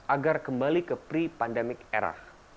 agar kembali ke pre pandemic era